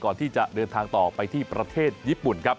ก่อนที่จะเดินทางต่อไปที่ประเทศญี่ปุ่นครับ